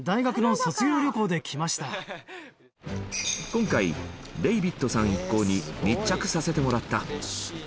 今回デイヴィットさん一行に密着させてもらった。